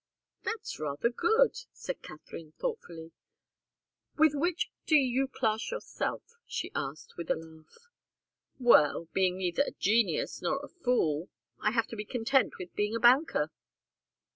"That's rather good," said Katharine, thoughtfully. "With which do you class yourself?" she asked, with a laugh. "Well being neither a genius nor a fool, I have to be content with being a banker."